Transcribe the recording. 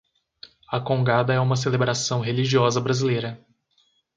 A congada é uma celebração religiosa brasileira